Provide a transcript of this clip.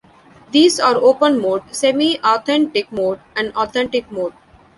These are Open Mode, Semi-Authentic Mode and Authentic Mode.